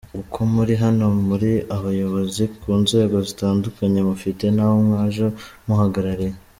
Uko muri hano muri abayobozi ku nzego zitandukanye, mufite n’abo mwaje muhagarariye.